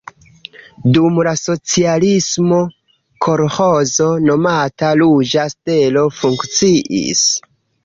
Dum la socialismo kolĥozo nomata Ruĝa Stelo funkciis.